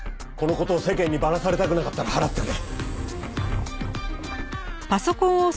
「この事を世間にバラされたくなかったら払ってくれ」